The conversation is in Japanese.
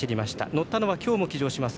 乗ったのは今日も騎乗します